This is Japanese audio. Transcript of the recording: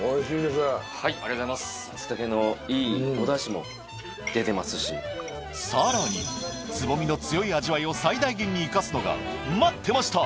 はいありがとうございます松茸のいいおだしも出てますしさらにつぼみの強い味わいを最大限に活かすのが待ってました！